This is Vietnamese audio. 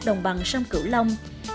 đồng bằng sông cửu long